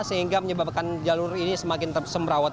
sehingga menyebabkan jalur ini semakin tersemrawat